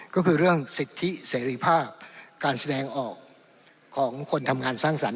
ก็คือเรื่องสิทธิเสรีภาพการแสดงออกของคนทำงานสร้างสรรค